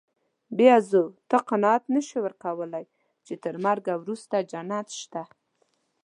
بیزو ته قناعت نهشې ورکولی، چې تر مرګ وروسته جنت شته.